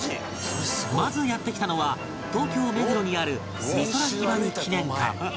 まずやって来たのは東京目黒にある美空ひばり記念館